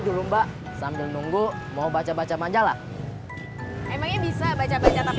dulu mbak sambil nunggu mau baca baca manja lah emangnya bisa baca baca tapi